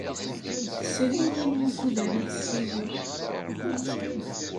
Tesri win wukud ara tessiwel.